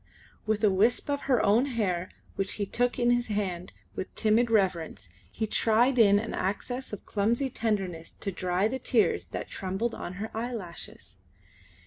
With a wisp of her own hair which he took in his hand with timid reverence he tried in an access of clumsy tenderness to dry the tears that trembled on her eyelashes.